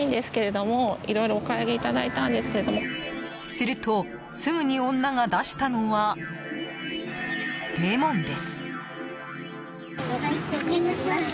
すると、すぐに女が出したのはレモンです。